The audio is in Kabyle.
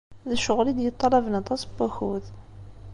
D ccɣel i d-yeṭṭalaben aṭas n wakud.